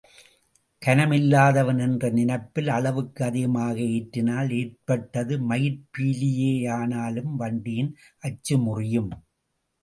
கனமில்லாதன என்ற நினைப்பில் அளவுக்கு அதிகமாக ஏற்றினால் ஏற்றப்பட்டது மயிற் பீலியேயானாலும் வண்டியின் அச்சுமுறியும்.